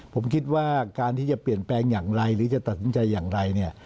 ผมคิดว่าการที่จะเปลี่ยนแปลงอย่างไรหรือจะตัดสินใจอย่างไรเนี่ย